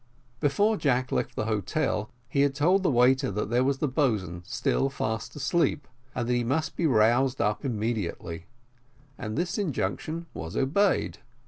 Before Jack left the hotel, he had told the waiter that there was the boatswain still fast asleep, and that he must be roused up immediately; and this injunction was obeyed.